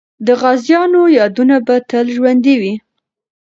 د غازیانو یادونه به تل ژوندۍ وي.